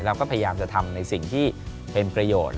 เราก็พยายามจะทำในสิ่งที่เป็นประโยชน์